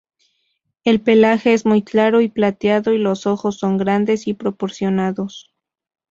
El pelaje es muy claro y plateado y los ojos son grandes y proporcionados.